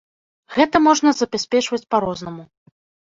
Гэта можна забяспечваць па-рознаму.